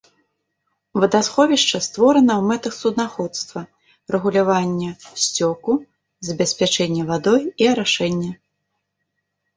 Вадасховішча створана ў мэтах суднаходства, рэгулявання сцёку, забеспячэння вадой і арашэння.